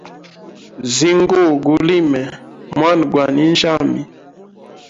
Zinguwa gulime mwna gwa ninjyami.